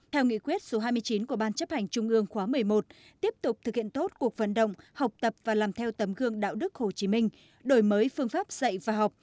theo nghị quyết số hai mươi chín của ban chấp hành trung ương khóa một mươi một tiếp tục thực hiện tốt cuộc vận động học tập và làm theo tấm gương đạo đức hồ chí minh đổi mới phương pháp dạy và học